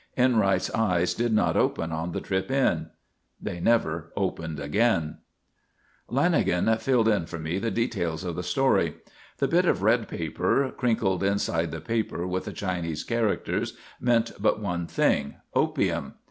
Enright's eyes did not open on the trip in. They never opened again. Lanagan filled in for me the details of the story. The bit of red paper, crinkled inside the paper with the Chinese characters, meant but one thing: opium.